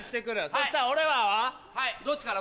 そしたら俺らは？どっちから？